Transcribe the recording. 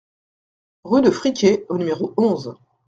Rue de Friquet au numéro onze